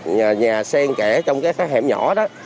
nhà sen kẻ trong các hẻm nhỏ